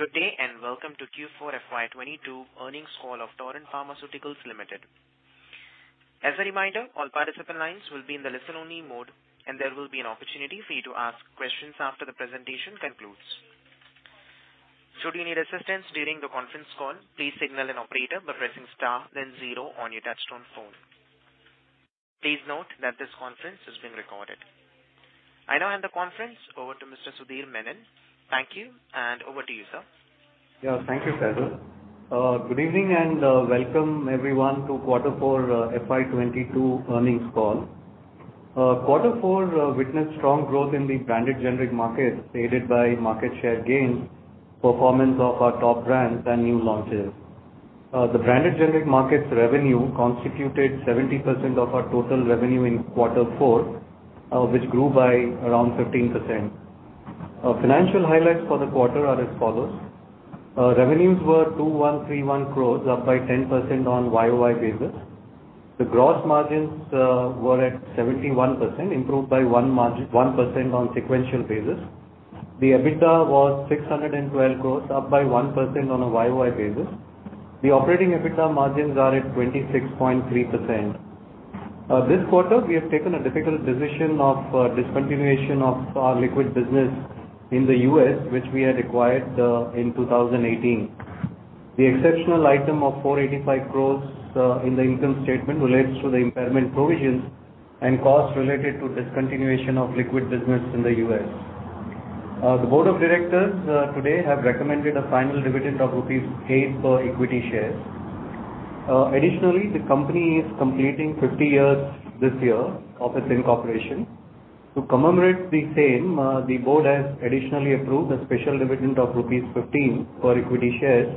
Good day, and welcome to Q4 FY22 earnings call of Torrent Pharmaceuticals Limited. As a reminder, all participant lines will be in the listen only mode, and there will be an opportunity for you to ask questions after the presentation concludes. Should you need assistance during the conference call, please signal an operator by pressing star then zero on your touch-tone phone. Please note that this conference is being recorded. I now hand the conference over to Mr. Sudhir Menon. Thank you, and over to you, sir. Yeah. Thank you, Sadhu. Good evening and welcome everyone to quarter four FY 2022 earnings call. Quarter four witnessed strong growth in the branded generic markets aided by market share gains, performance of our top brands and new launches. The branded generic markets revenue constituted 70% of our total revenue in quarter four, which grew by around 15%. Financial highlights for the quarter are as follows. Revenues were 2,131 crores, up by 10% on YoY basis. The gross margins were at 71%, improved by 1% on sequential basis. The EBITDA was 612 crores, up by 1% on a YoY basis. The operating EBITDA margins are at 26.3%. This quarter we have taken a difficult decision of discontinuation of our liquid business in the U.S., which we had acquired in 2018. The exceptional item of 485 crores in the income statement relates to the impairment provisions and costs related to discontinuation of liquid business in the U.S. The board of directors today have recommended a final dividend of rupees 8 per equity share. Additionally, the company is completing 50 years this year of its incorporation. To commemorate the same, the board has additionally approved a special dividend of rupees 15 per equity shares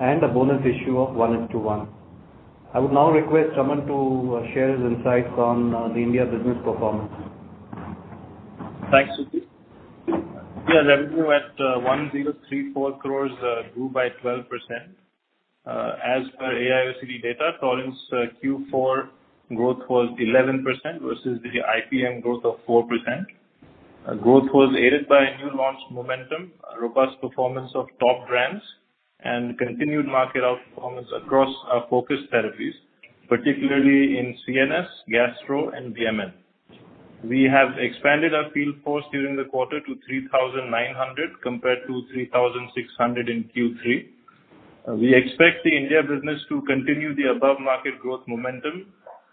and a bonus issue of 1:1. I would now request Aman to share his insights on the India business performance. Thanks, Sudhir. Yeah. Revenue at 1,034 crores grew by 12%. As per AIOCD data, Torrent's Q4 growth was 11% versus the IPM growth of 4%. Growth was aided by new launch momentum, a robust performance of top brands and continued market outperformance across our focus therapies, particularly in CNS, Gastro and VMN. We have expanded our field force during the quarter to 3,900 compared to 3,600 in Q3. We expect the India business to continue the above-market growth momentum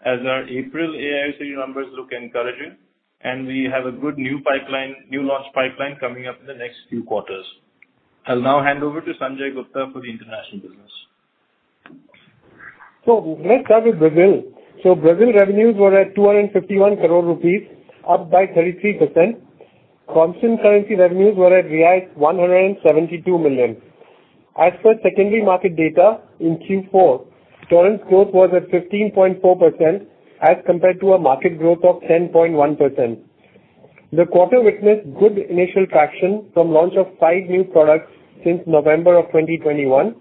as our April AIOCD numbers look encouraging, and we have a good new launch pipeline coming up in the next few quarters. I'll now hand over to Sanjay Gupta for the international business. Let's start with Brazil. Brazil revenues were at INR 251 crores, up by 33%. Constant currency revenues were at BRL 172 million. As per secondary market data, in Q4, Torrent's growth was at 15.4% as compared to a market growth of 10.1%. The quarter witnessed good initial traction from launch of five new products since November 2021.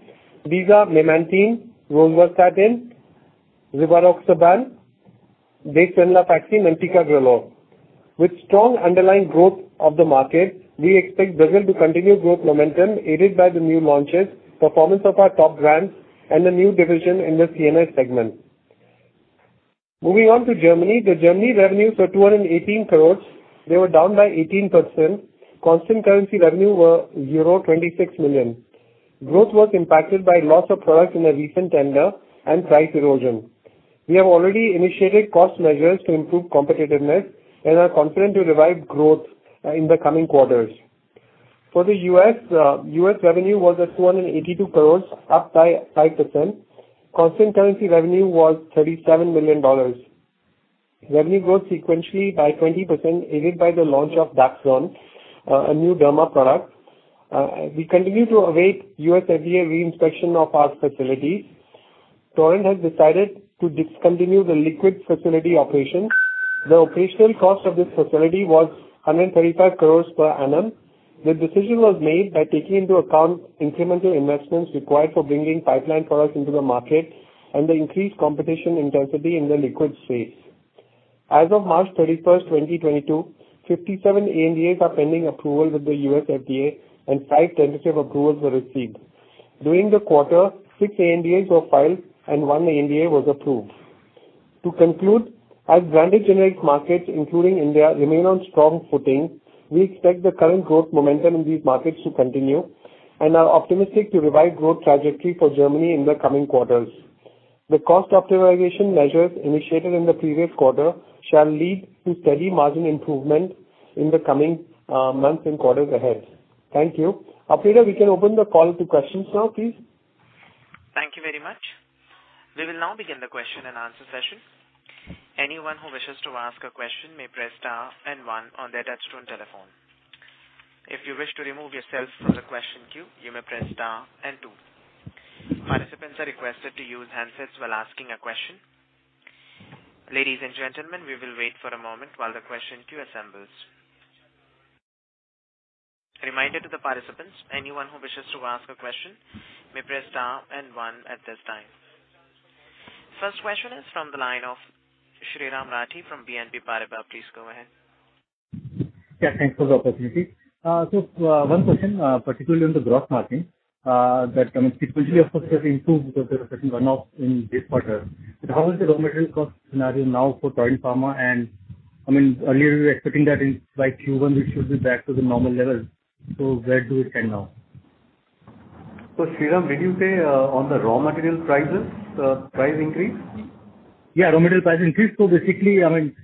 These are memantine, rosuvastatin, rivaroxaban, beclomethasone and ticagrelor. With strong underlying growth of the market, we expect Brazil to continue growth momentum aided by the new launches, performance of our top brands and a new division in the CNS segment. Moving on to Germany. Germany revenues were 218 crore. They were down by 18%. Constant currency revenue were 26 million. Growth was impacted by loss of products in a recent tender and price erosion. We have already initiated cost measures to improve competitiveness and are confident to revive growth, in the coming quarters. For the U.S., U.S. revenue was at 282 crore, up by 5%. Constant currency revenue was $37 million. Revenue grew sequentially by 20% aided by the launch of Dapsone, a new derma product. We continue to await U.S. FDA re-inspection of our facilities. Torrent has decided to discontinue the liquid facility operation. The operational cost of this facility was 135 crores per annum. The decision was made by taking into account incremental investments required for bringing pipeline products into the market and the increased competition intensity in the liquid space. As of March 31, 2022, 57 ANDAs are pending approval with the U.S. FDA, and five tentative approvals were received. During the quarter, six ANDAs were filed and one ANDA was approved. To conclude, as branded generic markets, including India, remain on strong footing, we expect the current growth momentum in these markets to continue and are optimistic to revive growth trajectory for Germany in the coming quarters. The cost optimization measures initiated in the previous quarter shall lead to steady margin improvement in the coming months and quarters ahead. Thank you. Operator, we can open the call to questions now, please. Thank you very much. We will now begin the question and answer session. Anyone who wishes to ask a question may press star and one on their touch-tone telephone. If you wish to remove yourself from the question queue, you may press star and two. Participants are requested to use handsets while asking a question. Ladies and gentlemen, we will wait for a moment while the question queue assembles. Reminder to the participants, anyone who wishes to ask a question may press star and one at this time. First question is from the line of Shriram Rathi from BNP Paribas. Please go ahead. Yeah, thanks for the opportunity. One question, particularly on the growth margin, I mean, sequentially of course has improved because there was a certain run-off in this quarter. How is the raw material cost scenario now for Torrent Pharma? I mean, earlier we were expecting that in by Q1 it should be back to the normal level. Where do we stand now? Shriram, did you say on the raw material prices, price increase? Yeah, raw material price increase. Basically, I mean,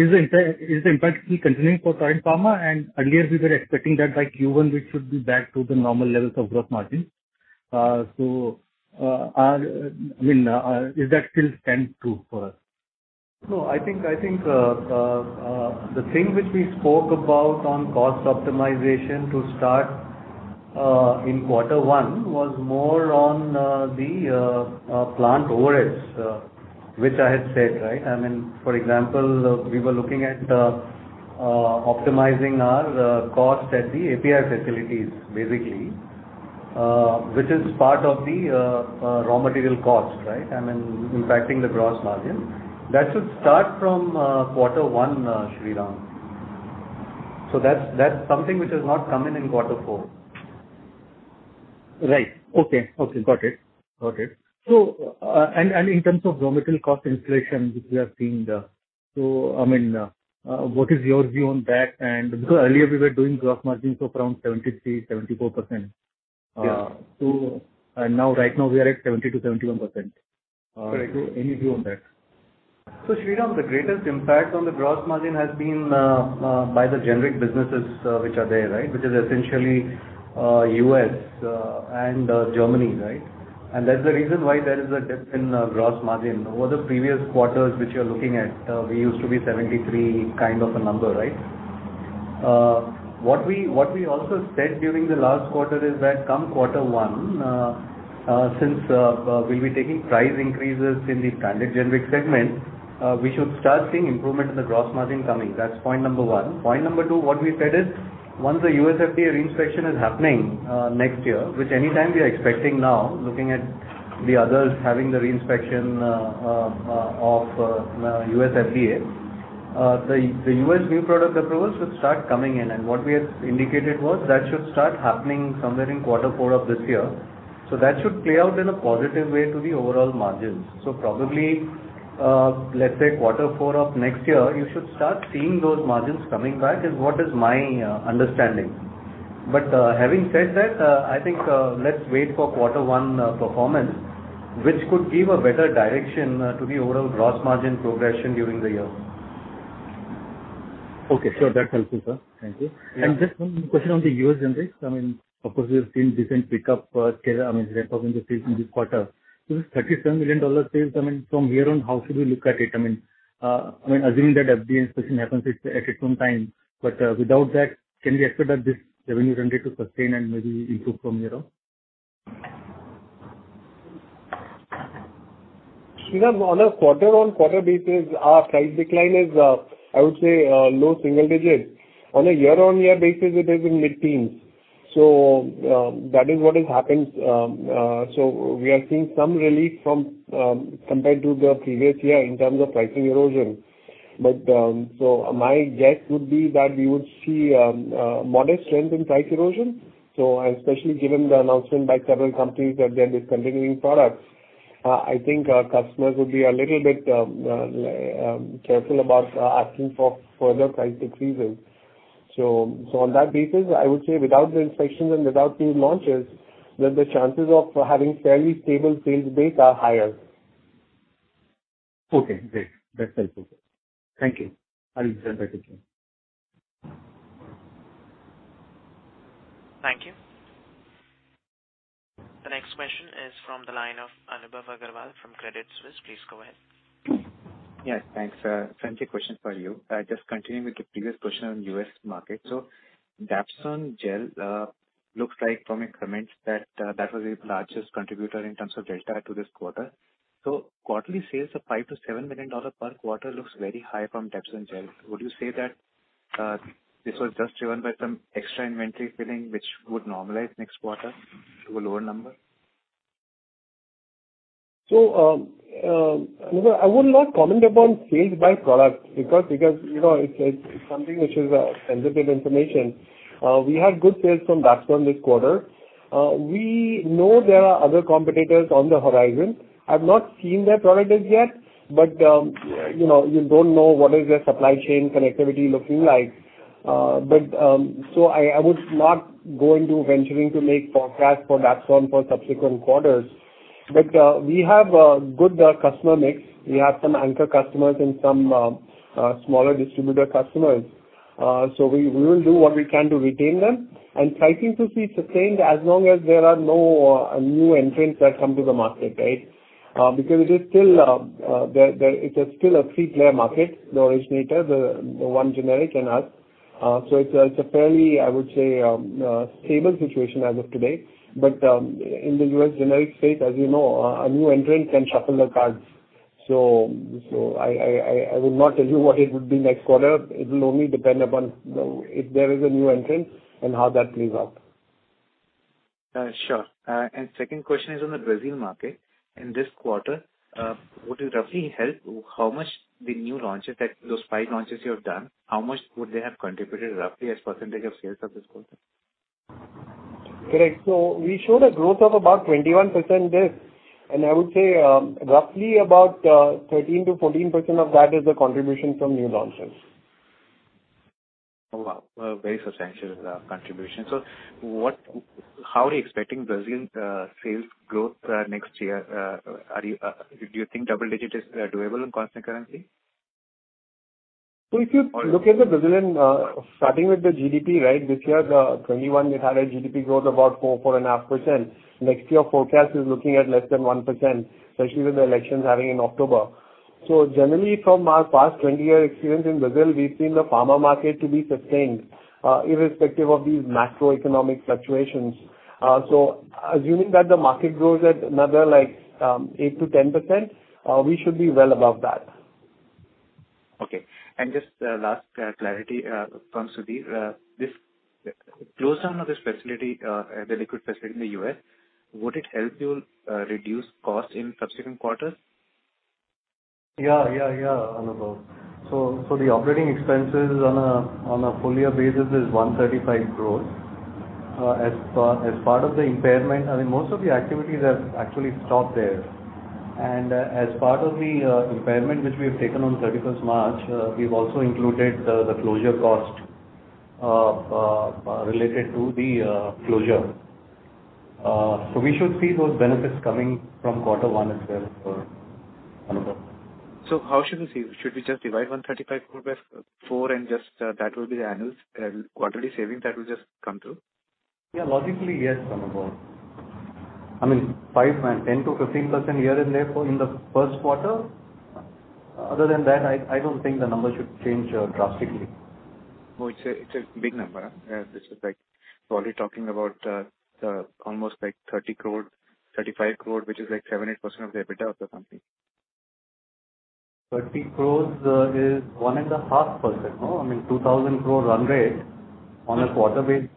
is the impact still continuing for Torrent Pharma? Earlier we were expecting that by Q1 it should be back to the normal levels of gross margin. I mean, is that still stand true for us? No, I think the thing which we spoke about on cost optimization to start in quarter one was more on the plant overheads, which I had said, right? I mean, for example, we were looking at optimizing our cost at the API facilities basically, which is part of the raw material cost, right? I mean, impacting the gross margin. That should start from quarter one, Shriram. That's something which has not come in in quarter four. Right. Okay. Got it. In terms of raw material cost inflation which we have seen, I mean, what is your view on that? Because earlier we were doing gross margins of around 73%–74%. Yeah. now right now we are at 70%–71%. Correct. Any view on that? Shriram, the greatest impact on the gross margin has been by the generic businesses, which are there, right? Which is essentially U.S. and Germany, right? And that's the reason why there is a dip in gross margin. Over the previous quarters which you're looking at, we used to be 73% kind of a number, right? What we also said during the last quarter is that come quarter one, since we'll be taking price increases in the branded generic segment, we should start seeing improvement in the gross margin coming. That's point number one. Point number two, what we said is once the U.S. FDA re-inspection is happening next year, which anytime we are expecting now looking at the others having the re-inspection, U.S. FDA, the U.S. new product approvals should start coming in. What we had indicated was that should start happening somewhere in quarter four of this year. That should play out in a positive way to the overall margins. Probably, let's say quarter four of next year, you should start seeing those margins coming back is what is my understanding. Having said that, I think, let's wait for quarter one performance, which could give a better direction to the overall gross margin progression during the year. Okay. Sure. That's helpful, sir. Thank you. Yeah. Just one question on the U.S. generics. I mean, of course, we have seen decent pickup, I mean, ramp-up in the sales in this quarter. This $37 million sales, I mean, from here on, how should we look at it? I mean, assuming that FDA inspection happens at its own time, but without that, can we expect that this revenue run rate to sustain and maybe improve from here on? Shriram, on a quarter-on-quarter basis, our price decline is, I would say, low single digits. On a year-on-year basis, it is in mid-teens. That is what is happened. We are seeing some relief from, compared to the previous year in terms of pricing erosion. But my guess would be that we would see, modest trend in price erosion. Especially given the announcement by several companies that they are discontinuing products, I think our customers would be a little bit, careful about, asking for further price decreases. On that basis, I would say without the inspections and without new launches, then the chances of having fairly stable sales base are higher. Okay, great. That's helpful. Thank you. I'll send that back to you. Thank you. The next question is from the line of Anubhav Agarwal from Credit Suisse. Please go ahead. Yes, thanks. Frank question for you. Just continuing with the previous question on U.S. market. Dapsone gel looks like from your comments that that was the largest contributor in terms of delta to this quarter. Quarterly sales of $5 million–$7 million per quarter looks very high from Dapsone gel. Would you say that this was just driven by some extra inventory filling which would normalize next quarter to a lower number? Anubhav, I would not comment upon sales by product because you know, it's something which is sensitive information. We had good sales from Dapsone this quarter. We know there are other competitors on the horizon. I've not seen their product as yet, but you know, you don't know what is their supply chain connectivity looking like. But I would not go into venturing to make forecast for Dapsone for subsequent quarters. But we have a good customer mix. We have some anchor customers and some smaller distributor customers. We will do what we can to retain them. Pricing should be sustained as long as there are no new entrants that come to the market, right? Because it is still there, it's still a three-player market, the originator, the one generic and us. It's a fairly, I would say, stable situation as of today. In the U.S. generic space, as you know, a new entrant can shuffle the cards. I will not tell you what it would be next quarter. It will only depend upon, you know, if there is a new entrant and how that plays out. Sure. Second question is on the Brazil market. In this quarter, would it roughly help how much the new launches, like those five launches you have done, how much would they have contributed roughly as percentage of sales of this quarter? Correct. We show the growth of about 21% there, and I would say, roughly about, 13%–14% of that is the contribution from new launches. Oh, wow. A very substantial contribution. How are you expecting Brazil sales growth next year? Do you think double digits is doable in constant currency? If you look at the Brazilian, starting with the GDP, right, this year, 2021, we had a GDP growth of about 4%–4.5%. Next year forecast is looking at less than 1%, especially with the elections happening in October. Generally, from our past 20-year experience in Brazil, we've seen the pharma market to be sustained, irrespective of these macroeconomic fluctuations. Assuming that the market grows at another like, 8%–10%, we should be well above that. Okay. Just last clarity from Sudhir. This close down of this facility, the liquid facility in the U.S., would it help you reduce costs in subsequent quarters? Yeah, Anubhav. The operating expenses on a full year basis is 135 crores. As part of the impairment, I mean, most of the activities have actually stopped there. As part of the impairment which we have taken on 31st March, we've also included the closure cost related to the closure. We should see those benefits coming from quarter one itself, Anubhav. How should we see? Should we just divide 135 crore by four and just that will be the annualized quarterly savings that will just come through? Logically, yes, Anubhav. I mean, 10%–15% year-on-year, therefore in the first quarter. Other than that, I don't think the numbers should change drastically. Oh, it's a big number, huh? Yeah, this is like probably talking about almost like 30 crore–35 crore, which is like 7%–8% of the EBITDA of the company. 30 crores is 1.5%, no? I mean, 2,000 crores run rate on a quarter basis.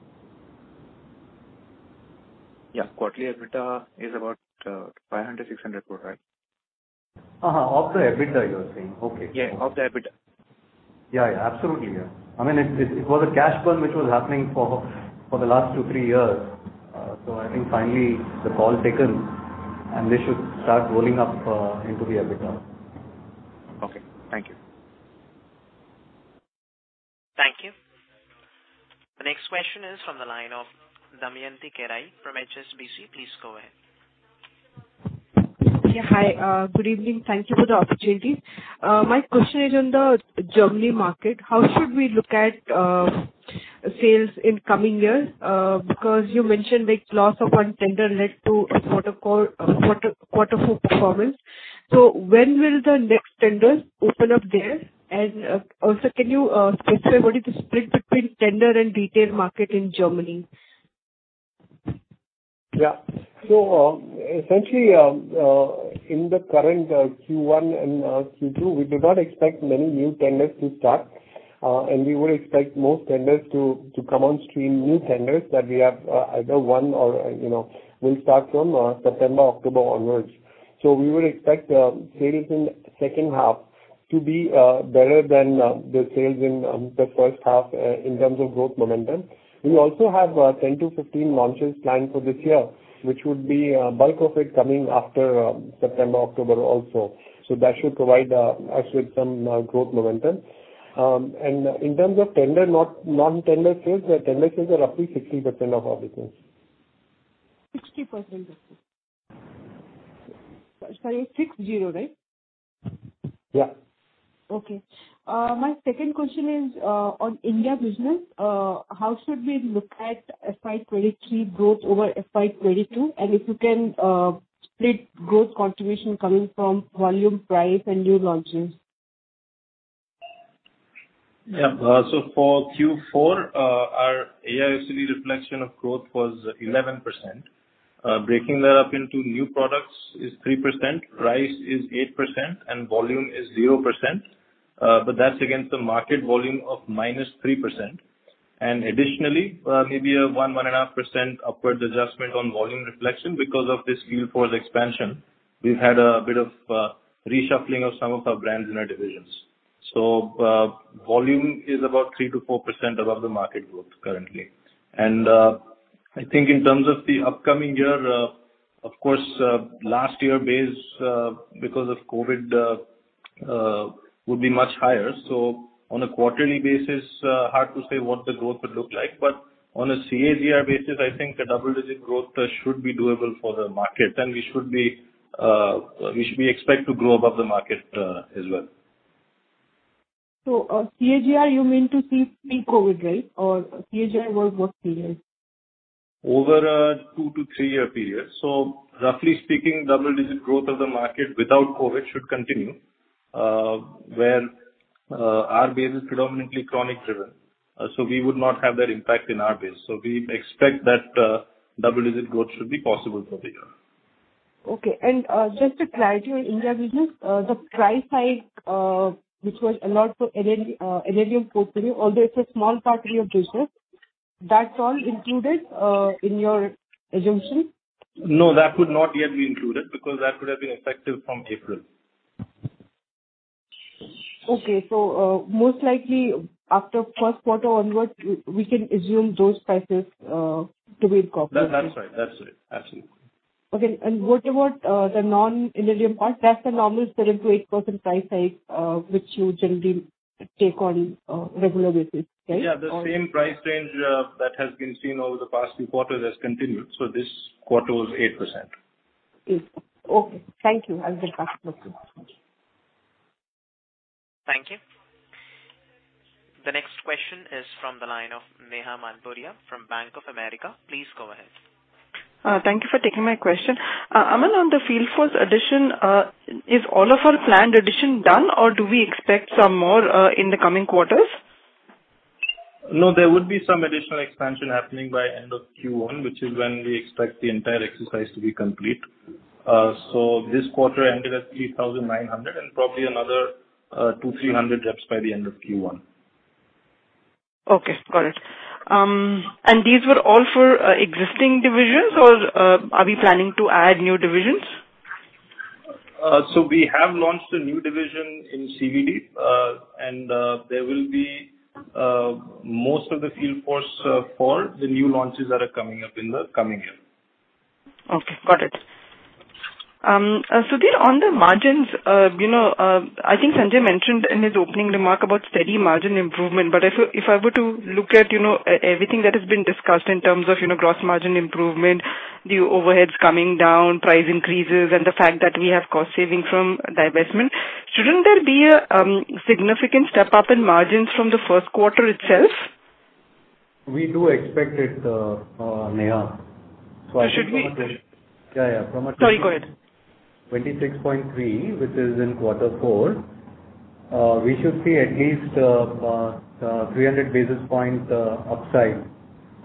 Yeah. Quarterly EBITDA is about 500–600 crore, right? Uh-huh. Of the EBITDA, you're saying. Okay. Yeah, of the EBITDA. Yeah. Absolutely, yeah. I mean, it was a cash burn which was happening for the last 2–3 years. I think finally the call taken and they should start rolling up into the EBITDA. Okay. Thank you. Thank you. The next question is from the line of Damayanti Kerai from HSBC. Please go ahead. Yeah. Hi. Good evening. Thank you for the opportunity. My question is on the Germany market. How should we look at sales in coming years? Because you mentioned like loss of one tender led to a quarter four performance. When will the next tenders open up there? Also can you specify what is the split between tender and retail market in Germany? Essentially, in the current Q1 and Q2, we do not expect many new tenders to start. We would expect more tenders to come on stream, new tenders that we have either won or you know will start from September, October onwards. We will expect sales in second half to be better than the sales in the first half in terms of growth momentum. We also have 10-15 launches planned for this year, which would be bulk of it coming after September, October also. That should provide us with some growth momentum. In terms of tender, non-tender sales, the tender sales are roughly 60% of our business. 60% of sales. Sorry, 60, right? Yeah. Okay. My second question is on India business. How should we look at FY23 growth over FY22? If you can, split growth contribution coming from volume, price, and new launches. Yeah. For Q4, our AIOCD reflection of growth was 11%. Breaking that up into new products is 3%, price is 8%, and volume is 0%. That's against the market volume of -3%. Additionally, maybe a 1%–1.5% upward adjustment on volume reflection because of this Q4's expansion. We've had a bit of reshuffling of some of our brands in our divisions. Volume is about 3%–4% above the market growth currently. I think in terms of the upcoming year, of course, last year base because of COVID would be much higher. On a quarterly basis, hard to say what the growth would look like. On a CAGR basis, I think a double-digit growth should be doable for the market, and we should expect to grow above the market, as well. CAGR you mean to say pre-COVID, right? Or CAGR over what period? Over a two to three-year period. Roughly speaking, double-digit growth of the market without COVID should continue, where our base is predominantly chronic driven, so we would not have that impact in our base. We expect that double-digit growth should be possible for the year. Okay. Just to clarify your India business, the price hike, which was allowed for NLEM portfolio, although it's a small part of your business, that's all included in your assumption? No, that would not yet be included because that would have been effective from April. Most likely after first quarter onwards, we can assume those prices to be incorporated. That's right. Absolutely. Okay. What about the non-NLEM part? That's the normal 7%–8% price hike, which you generally take on a regular basis, right? The same price range that has been seen over the past few quarters has continued. This quarter was 8%. Okay. Thank you. I will get back. Okay, bye. Thank you. The next question is from the line of Neha Manpuria from Bank of America. Please go ahead. Thank you for taking my question. Sanjay, on the field force addition, is all of our planned addition done, or do we expect some more in the coming quarters? No, there would be some additional expansion happening by end of Q1, which is when we expect the entire exercise to be complete. This quarter ended at 3,900 and probably another 200–300 reps by the end of Q1. Okay, got it. These were all for existing divisions or are we planning to add new divisions? We have launched a new division in CVD, and there will be most of the field force for the new launches that are coming up in the coming year. Okay, got it. Sudhir, on the margins, you know, I think Sanjay mentioned in his opening remark about steady margin improvement, but if I were to look at everything that has been discussed in terms of gross margin improvement, the overheads coming down, price increases, and the fact that we have cost saving from divestment, shouldn't there be a significant step up in margins from the first quarter itself? We do expect it, Neha. I think from a- It should be. Yeah, yeah. Sorry, go ahead. 26.3%, which is in quarter four, we should see at least 300 basis points upside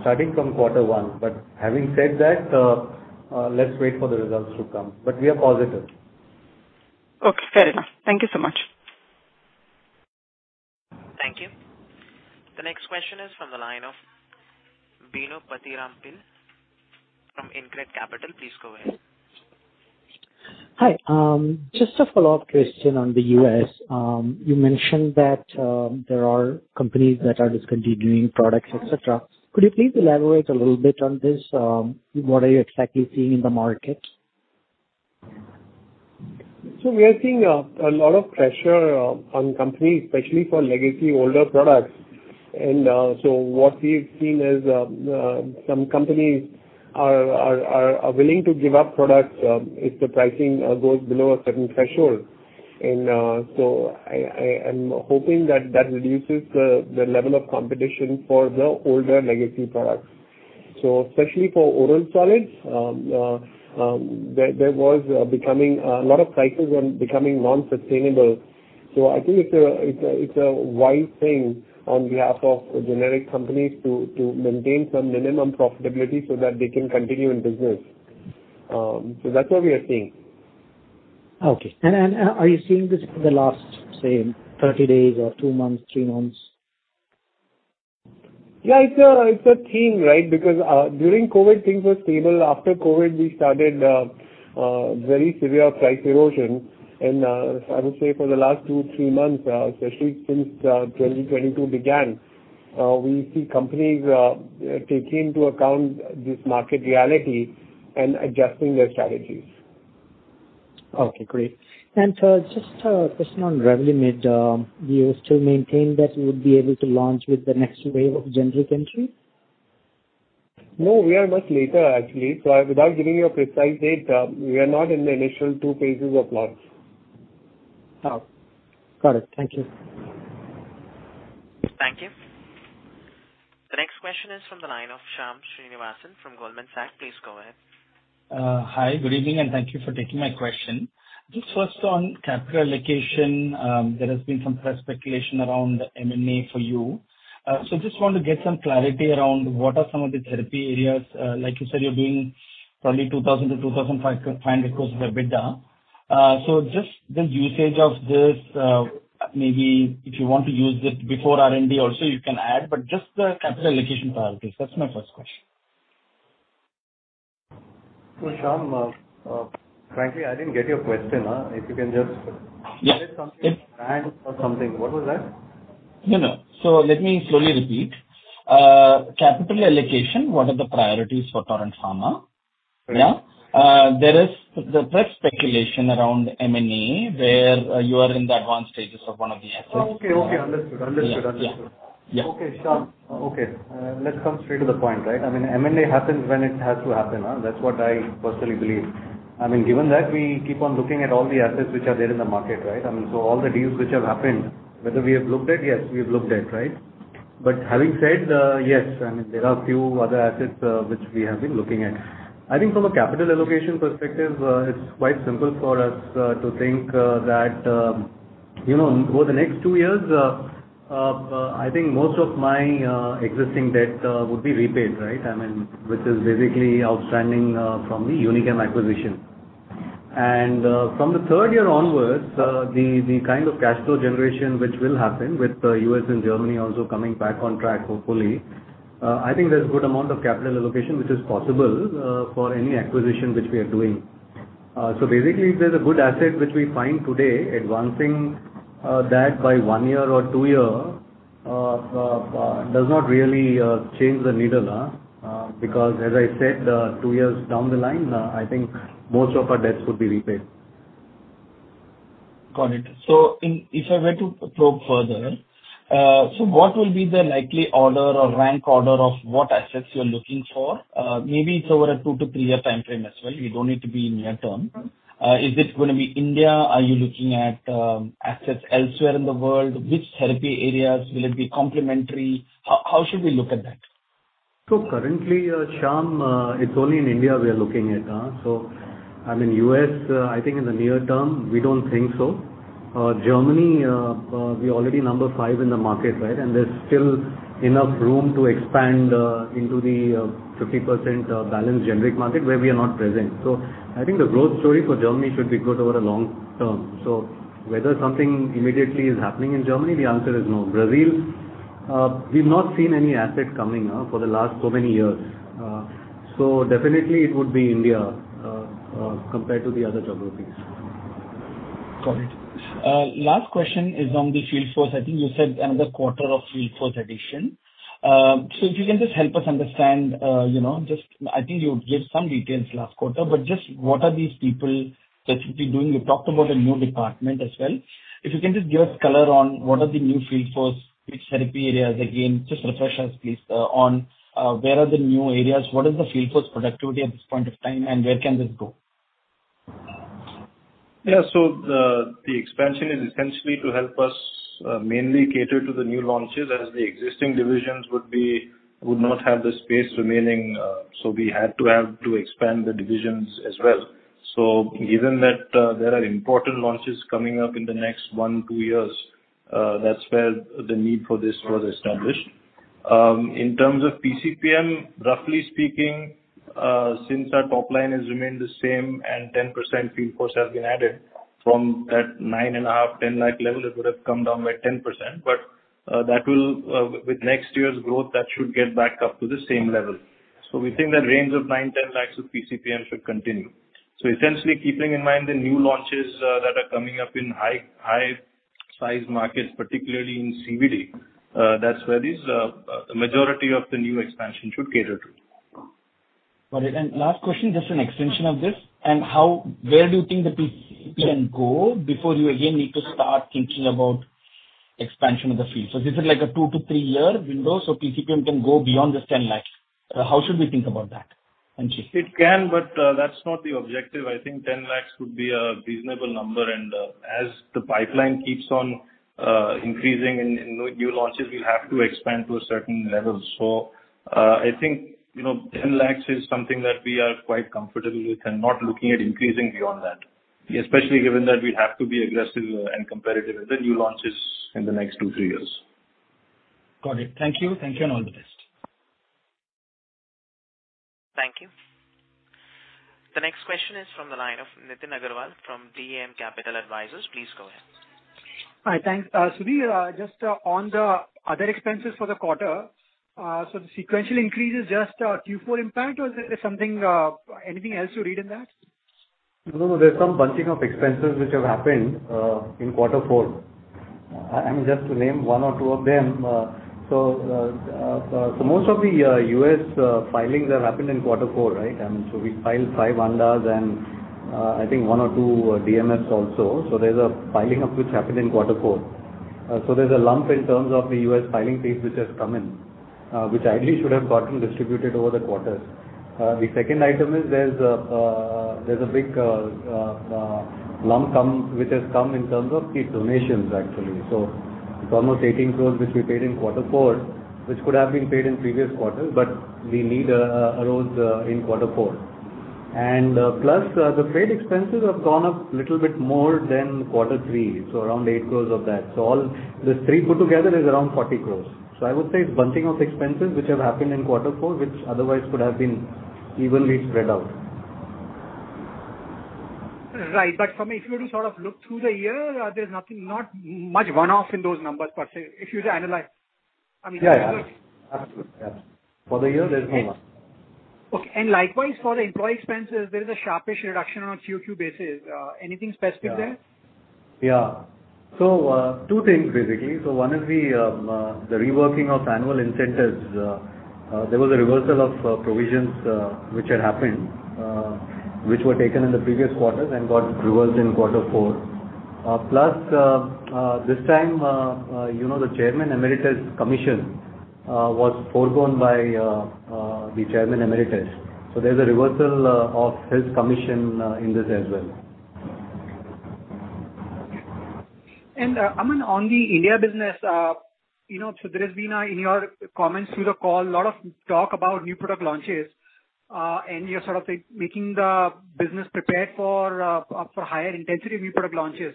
starting from quarter one. Having said that, let's wait for the results to come. We are positive. Okay, fair enough. Thank you so much. Thank you. The next question is from the line of Bino Pathiparampil from Elara Capital. Please go ahead. Hi. Just a follow-up question on the U.S. You mentioned that there are companies that are discontinuing products, et cetera. Could you please elaborate a little bit on this? What are you exactly seeing in the market? We are seeing a lot of pressure on companies, especially for legacy older products. What we've seen is some companies are willing to give up products if the pricing goes below a certain threshold. I'm hoping that that reduces the level of competition for the older legacy products. Especially for oral solids, a lot of prices were becoming non-sustainable. I think it's a wise thing on behalf of generic companies to maintain some minimum profitability so that they can continue in business. That's what we are seeing. Okay. Are you seeing this for the last, say, 30 days or two months, three months? Yeah, it's a theme, right? Because during COVID, things were stable. After COVID, we started very severe price erosion. I would say for the last two–three months, especially since 2022 began, we see companies taking into account this market reality and adjusting their strategies. Okay, great. Just a question on Revlimid. Do you still maintain that you would be able to launch with the next wave of generic entry? No, we are much later actually. Without giving you a precise date, we are not in the initial two phases of launch. Oh, got it. Thank you. Thank you. The next question is from the line of Shyam Srinivasan from Goldman Sachs. Please go ahead. Hi, good evening, and thank you for taking my question. Just first on capital allocation, there has been some press speculation around M&A for you. So just want to get some clarity around what are some of the therapy areas. Like you said, you're doing probably 2,000 crores–2,500 crores of EBITDA. So just the usage of this, maybe if you want to use it before R&D also, you can add, but just the capital allocation priorities. That's my first question. Shyam, frankly, I didn't get your question. If you can just Yeah. There is something brand or something. What was that? No, no. Let me slowly repeat. Capital allocation, what are the priorities for Torrent Pharma? Yeah. There is the press speculation around M&A where you are in the advanced stages of one of the assets. Oh, okay. Understood. Yeah. Yeah. Okay, Shyam. Okay. Let's come straight to the point, right? I mean, M&A happens when it has to happen, that's what I personally believe. I mean, given that, we keep on looking at all the assets which are there in the market, right? I mean, all the deals which have happened, we have looked at, right? Having said that, yes, I mean, there are few other assets which we have been looking at. I think from a capital allocation perspective, it's quite simple for us to think that, you know, over the next two years, I think most of my existing debt would be repaid, right? I mean, which is basically outstanding from the Unichem Laboratories acquisition. From the third year onwards, the kind of cash flow generation which will happen with U.S. and Germany also coming back on track, hopefully, I think there's good amount of capital allocation which is possible for any acquisition which we are doing. Basically, if there's a good asset which we find today advancing that by one year or two years does not really change the needle because as I said, two years down the line I think most of our debts would be repaid. Got it. If I were to probe further, so what will be the likely order or rank order of what assets you're looking for? Maybe it's over a two to three-year timeframe as well. You don't need to be near term. Is this going to be India? Are you looking at assets elsewhere in the world? Which therapy areas? Will it be complementary? How should we look at that? Currently, Shyam, it's only in India we are looking at. I'm in U.S., I think in the near term, we don't think so. Germany, we're already number 5 in the market, right? There's still enough room to expand into the 50% branded generic market where we are not present. I think the growth story for Germany should be good over a long term. Whether something immediately is happening in Germany, the answer is no. Brazil, we've not seen any assets coming for the last so many years. Definitely it would be India compared to the other geographies. Got it. Last question is on the field force. I think you said another quarter of field force addition. So if you can just help us understand, you know, just I think you gave some details last quarter, but just what are these people specifically doing? You talked about a new department as well. If you can just give color on what are the new field force, which therapy areas. Again, just refresh us please, on where are the new areas, what is the field force productivity at this point of time, and where can this go? Yeah. The expansion is essentially to help us mainly cater to the new launches as the existing divisions would not have the space remaining, so we had to expand the divisions as well. Given that, there are important launches coming up in the next 1–2 years, that's where the need for this was established. In terms of PCPM, roughly speaking, since our top line has remained the same and 10% field force has been added from that 9.5–10 lakh level, it would have come down by 10%. But that will, with next year's growth, that should get back up to the same level. We think that range of 9–10 lakhs of PCPM should continue. Essentially keeping in mind the new launches that are coming up in high-size markets, particularly in CVD, that's where the majority of the new expansion should cater to. Got it. Last question, just an extension of this. How, where do you think the PCPM go before you again need to start thinking about expansion of the field? This is like a 2–3-year window, so PCPM can go beyond this 10 lakhs. How should we think about that? Shyam. It can, but that's not the objective. I think 10 lakhs would be a reasonable number and, as the pipeline keeps on increasing in, you know, new launches, we have to expand to a certain level. I think, you know, 10 lakhs is something that we are quite comfortable with and not looking at increasing beyond that, especially given that we have to be aggressive, and competitive in the new launches in the next two, three years. Got it. Thank you. Thank you, and all the best. Thank you. The next question is from the line of Nitin Agarwal from DAM Capital Advisors. Please go ahead. Hi. Thanks. Sudhir, just on the other expenses for the quarter. The sequential increase is just Q4 impact or is there something, anything else you read in that? No, there's some bunching of expenses which have happened in quarter four. I mean, just to name one or two of them. Most of the U.S. filings have happened in quarter four, right? I mean, we filed five ANDAs and I think one or two DMFs also. There's a filing which happened in quarter four. There's a lump in terms of the U.S. filing fees which has come in, which ideally should have gotten distributed over the quarters. The second item is there's a big lump which has come in terms of key donations, actually. It's almost 18 crores which we paid in quarter four, which could have been paid in previous quarters, but we need crores in quarter four. Plus, the freight expenses have gone up little bit more than quarter three, so around 8 crores of that. All the three put together is around 40 crore. I would say it's bunching of expenses which have happened in quarter four, which otherwise could have been evenly spread out. Right. For me, if you were to sort of look through the year, there's nothing, not much one-off in those numbers per se, if you were to analyze. I mean. Yeah, yeah. Absolutely. Yeah. For the year, there's not much. Okay. Likewise for the employee expenses, there is a sharpish reduction on QoQ basis. Anything specific there? Yeah. Two things basically. One is the reworking of annual incentives. There was a reversal of provisions which had happened which were taken in the previous quarters and got reversed in quarter four. Plus, this time, you know, the Chairman Emeritus commission was forgone by the Chairman Emeritus. There's a reversal of his commission in this as well. Sudhir, on the India business, you know, so there has been in your comments through the call a lot of talk about new product launches, and you're sort of saying, making the business prepared for higher intensity of new product launches.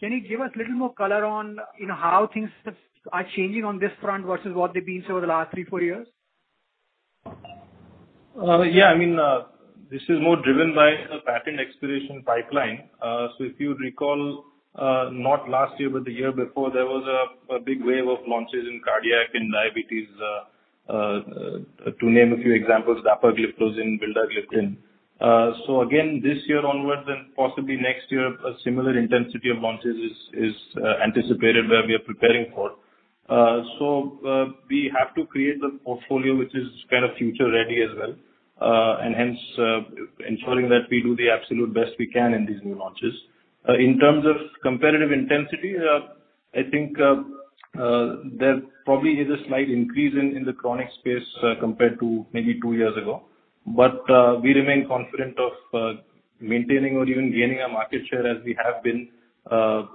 Can you give us a little more color on, you know, how things are changing on this front versus what they've been over the last three–four years? Yeah. I mean, this is more driven by the patent expiration pipeline. If you recall, not last year, but the year before, there was a big wave of launches in cardiac, in diabetes, to name a few examples, dapagliflozin, vildagliptin. Again, this year onwards and possibly next year, a similar intensity of launches is anticipated, where we are preparing for. We have to create the portfolio, which is kind of future-ready as well. Hence, ensuring that we do the absolute best we can in these new launches. In terms of competitive intensity, I think, there probably is a slight increase in the chronic space, compared to maybe two years ago. We remain confident of maintaining or even gaining our market share as we have been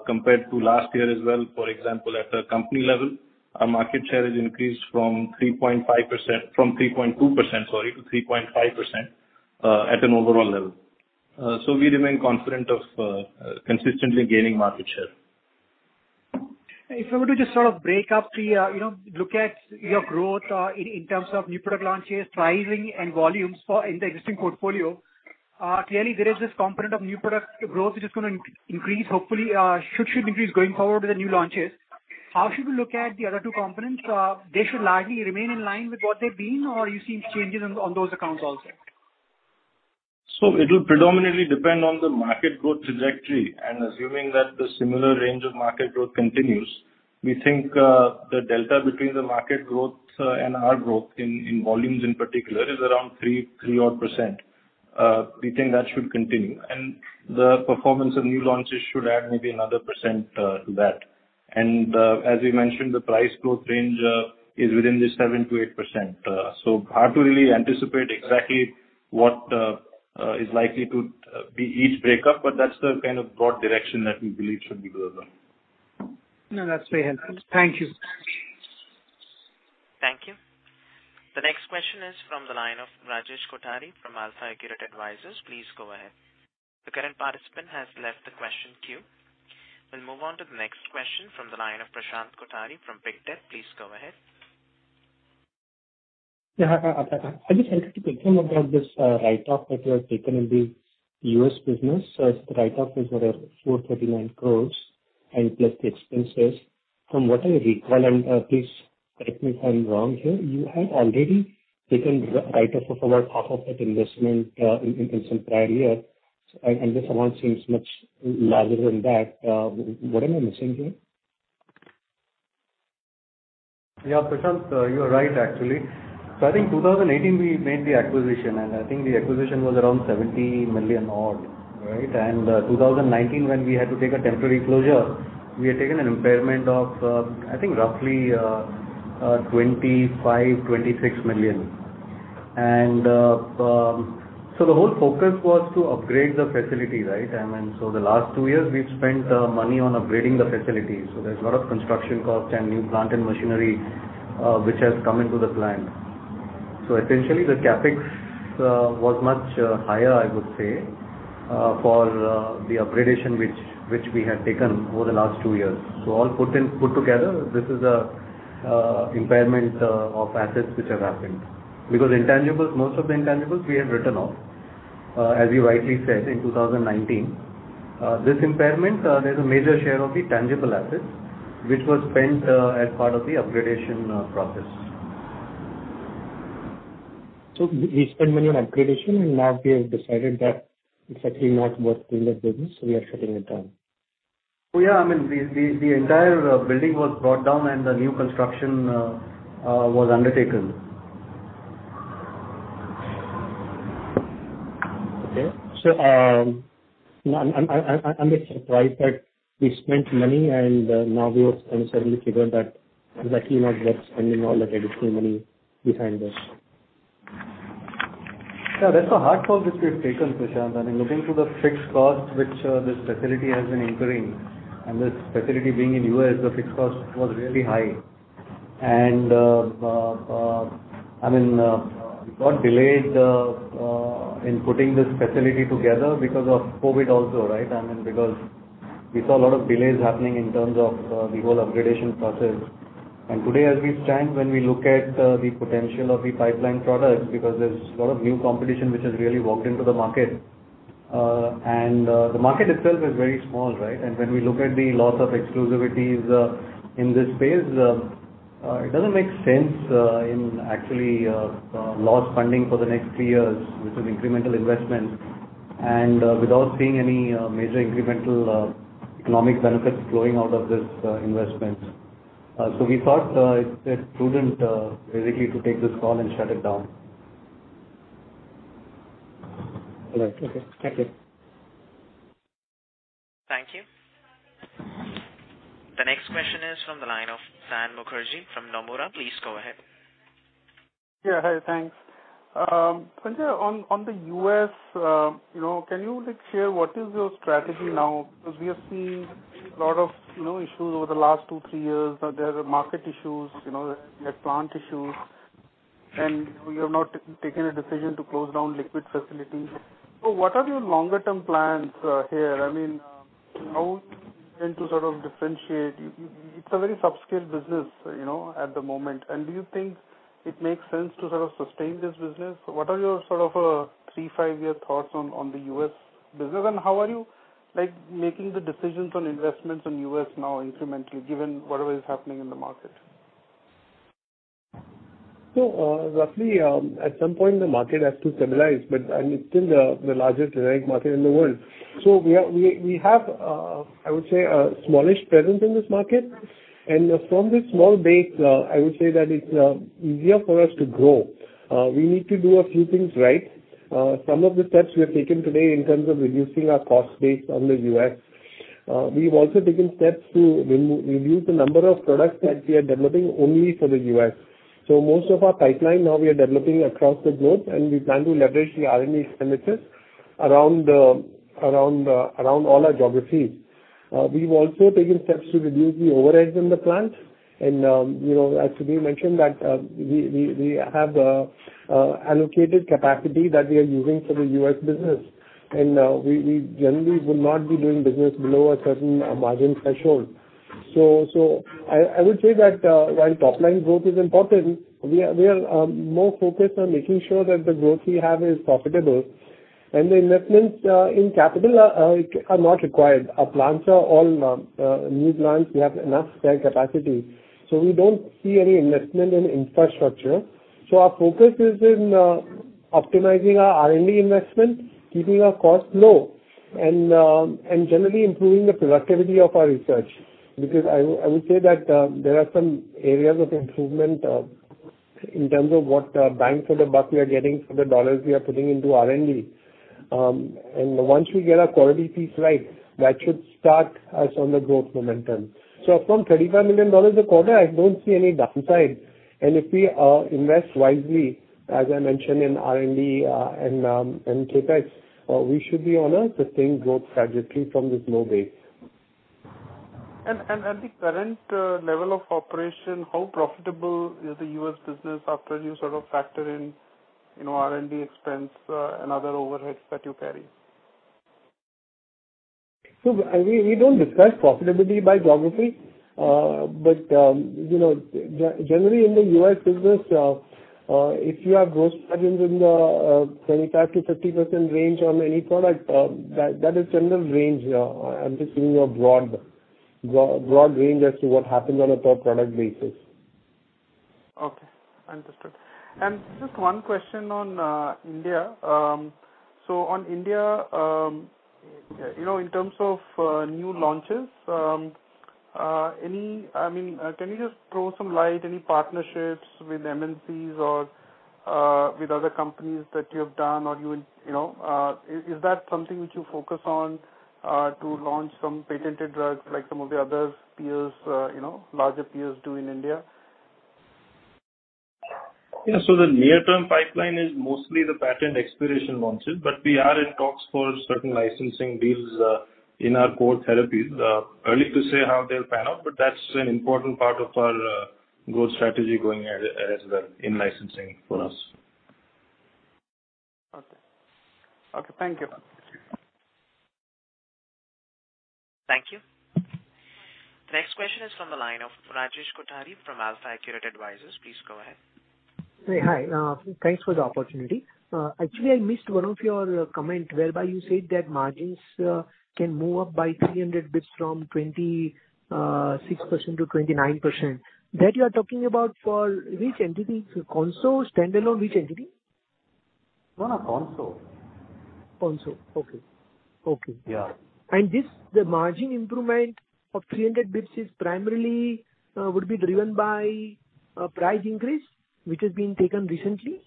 compared to last year as well. For example, at a company level, our market share has increased from 3.2%–3.5% at an overall level. We remain confident of consistently gaining market share. If I were to just sort of break up the, you know, look at your growth, in terms of new product launches, pricing and volumes for in the existing portfolio. Clearly there is this component of new product growth which is going to increase hopefully, should increase going forward with the new launches. How should we look at the other two components? They should largely remain in line with what they've been, or you're seeing changes on those accounts also? It'll predominantly depend on the market growth trajectory. Assuming that the similar range of market growth continues, we think the delta between the market growth and our growth in volumes in particular is around 3 odd percent. We think that should continue. The performance of new launches should add maybe another % to that. As we mentioned, the price growth range is within this 7%–8%. Hard to really anticipate exactly what is likely to be each breakup, but that's the kind of broad direction that we believe should be good as well. No, that's very helpful. Thank you. Thank you. The next question is from the line of Rajesh Kothari from AlfAccurate Advisors. Please go ahead. The current participant has left the question queue. We'll move on to the next question from the line of Rajesh Kothari from AlfAccurate Advisors. Please go ahead. Yeah. I just wanted to confirm about this write-off that you have taken in the U.S. business. It's the write-off, what, 439 crores plus the expenses. From what I recall, please correct me if I'm wrong here, you have already taken the write-off of about half of that investment in some prior year. This amount seems much larger than that. What am I missing here? Yeah, Rajesh, you are right, actually. I think 2018, we made the acquisition, and I think the acquisition was around 70 million odd, right? 2019, when we had to take a temporary closure, we had taken an impairment of, I think roughly, 25–26 million. The whole focus was to upgrade the facility, right? The last two years we've spent money on upgrading the facility. There's a lot of construction costs and new plant and machinery, which has come into the plant. Essentially the CapEx was much higher, I would say, for the upgradation which we had taken over the last two years. All put together, this is an impairment of assets which have happened. Because intangibles, most of the intangibles we had written off, as you rightly said, in 2019. This impairment, there's a major share of the tangible assets which was spent, as part of the upgradation, process. We spent money on upgradation and now we have decided that it's actually not worth doing that business, so we are shutting it down. Yeah. I mean, the entire building was brought down and a new construction was undertaken. Okay. I'm a bit surprised that we spent money and now we have suddenly figured that it's actually not worth spending all that additional money behind this. Yeah. That's a hard call which we've taken, Rajesh. I mean, looking through the fixed costs which this facility has been incurring, and this facility being in U.S., the fixed cost was really high. I mean, we got delayed in putting this facility together because of COVID also, right? I mean, because we saw a lot of delays happening in terms of the whole upgradation process. Today as we stand, when we look at the potential of the pipeline products, because there's a lot of new competition which has really walked into the market. The market itself is very small, right? When we look at the loss of exclusivities in this space, it doesn't make sense, actually, large funding for the next three years with some incremental investments and without seeing any major incremental economic benefits flowing out of this investment. We thought it prudent, basically, to take this call and shut it down. All right. Okay. Thank you. Thank you. The next question is from the line of Sayan Mukherjee from Nomura. Please go ahead. Yeah. Hi, thanks. Sanjay, on the US, you know, can you like share what is your strategy now? Because we have seen a lot of issues over the last two, three years. There are market issues, there are plant issues. You have not taken a decision to close down liquid facility. So what are your longer-term plans here? I mean, how do you intend to sort of differentiate? It's a very substitute business at the moment. Do you think it makes sense to sort of sustain this business? What are your sort of three, five-year thoughts on the US business? And how are you, like, making the decisions on investments in U.S. now incrementally given whatever is happening in the market? Roughly, at some point the market has to stabilize, but and it's still the largest generic market in the world. We have, I would say a smallish presence in this market. From this small base, I would say that it's easier for us to grow. We need to do a few things right. Some of the steps we have taken today in terms of reducing our cost base on the U.S., we've also taken steps to reduce the number of products that we are developing only for the U.S. Most of our pipeline now we are developing across the globe, and we plan to leverage the R&D expenditures around all our geographies. We've also taken steps to reduce the overheads in the plant. You know, as Sudhir mentioned, we have allocated capacity that we are using for the U.S. business. We generally would not be doing business below a certain margin threshold. I would say that while top-line growth is important, we are more focused on making sure that the growth we have is profitable. The investments in capital are not required. Our plants are all new plants. We have enough spare capacity, so we don't see any investment in infrastructure. Our focus is in optimizing our R&D investment, keeping our costs low, and generally improving the productivity of our research. Because I would say that, there are some areas of improvement, in terms of what bang for the buck we are getting for the dollars we are putting into R&D. Once we get our quality piece right, that should start us on the growth momentum. From $35 million a quarter, I don't see any downside. If we invest wisely, as I mentioned in R&D, and CapEx, we should be on a sustained growth trajectory from this low base. At the current level of operation, how profitable is the U.S. business after you sort of factor in, you know, R&D expense, and other overheads that you carry? We don't discuss profitability by geography. You know, generally in the U.S. business, if you have gross margins in the 25%-50% range on any product, that is general range. I'm just giving you a broad range as to what happens on a per product basis. Okay, understood. Just one question on India. On India, you know, in terms of new launches, I mean, can you just throw some light, any partnerships with MNCs or with other companies that you have done or you will, you know. Is that something which you focus on to launch some patented drugs like some of the other peers, you know, larger peers do in India? The near-term pipeline is mostly the patent expiration launches. We are in talks for certain licensing deals in our core therapies. Early to say how they'll pan out, but that's an important part of our growth strategy going ahead as well in licensing for us. Okay. Okay, thank you. Thank you. The next question is from the line of Rajesh Kothari from AlfAccurate Advisors. Please go ahead. Hey, hi. Thanks for the opportunity. Actually, I missed one of your comment whereby you said that margins can move up by 300 basis points from 26% to 29%. That you are talking about for which entity? Consolidated, standalone, which entity? No, conso. Okay. Yeah. This, the margin improvement of 300 basis points is primarily would be driven by price increase which has been taken recently?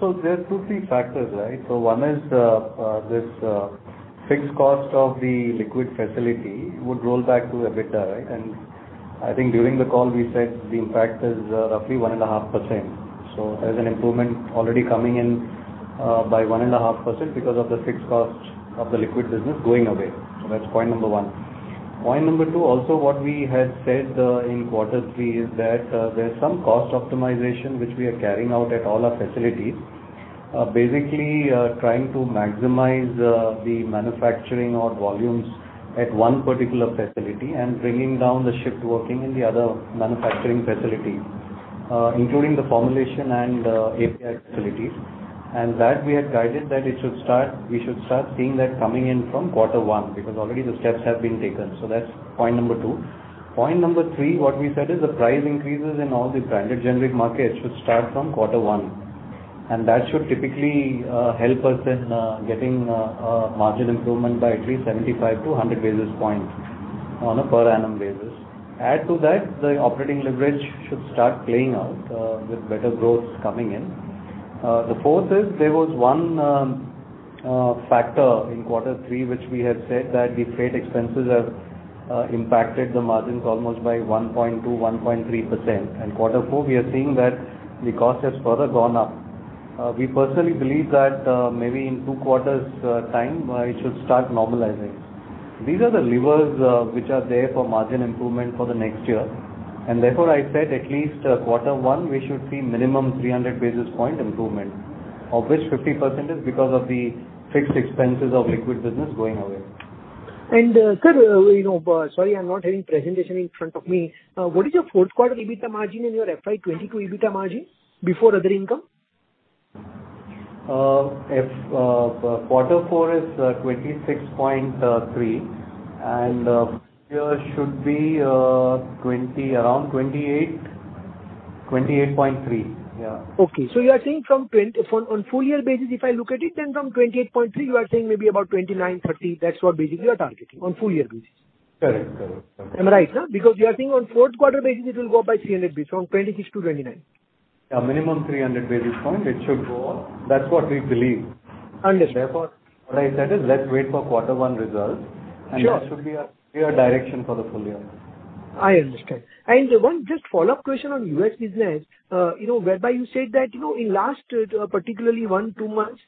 There are two or three factors, right? One is the fixed cost of the liquid facility would roll back to EBITDA, right? I think during the call, we said the impact is roughly 1.5%. There's an improvement already coming in by 1.5% because of the fixed cost of the liquid business going away. That's point number one. Point number two, also what we had said in quarter three is that there's some cost optimization which we are carrying out at all our facilities. Basically, trying to maximize the manufacturing volumes at one particular facility and bringing down the shift working in the other manufacturing facility, including the formulation and API facilities. That we had guided that it should start. We should start seeing that coming in from quarter one, because already the steps have been taken. That's point number two. Point number 3, what we said is the price increases in all the branded generic markets should start from quarter one. That should typically help us in getting a margin improvement by at least 75-100 basis points on a per annum basis. Add to that, the operating leverage should start playing out with better growth coming in. The fourth is there was one factor in quarter three, which we had said that the freight expenses have impacted the margins almost by 1.2–1.3%. In quarter four, we are seeing that the cost has further gone up. We personally believe that maybe in two quarters time it should start normalizing. These are the levers, which are there for margin improvement for the next year. Therefore, I said at least, quarter one, we should see minimum 300 basis points improvement, of which 50% is because of the fixed expenses of liquid business going away. Sir, you know, sorry, I'm not having presentation in front of me. What is your fourth quarter EBITDA margin and your FY 2022 EBITDA margin before other income? If quarter four is 26.3%, full year should be around 28.3%. Yeah. You are saying on full year basis, if I look at it, then from 28.3%, you are saying maybe about 29%–30%, that's what basically you are targeting on full year basis. Correct. Correct. Am I right, no? Because you are saying on fourth quarter basis it will go up by 300 basis points, from 26%–29%. Yeah, minimum 300 basis points it should go up. That's what we believe. Understood. Therefore, what I said is, let's wait for quarter one results. Sure. That should be a clear direction for the full year. I understand. Just one follow-up question on U.S. business. You know, whereby you said that, you know, in last particularly 1–2 months,